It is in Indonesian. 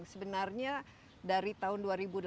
sebenarnya dari tahun dua ribu delapan belas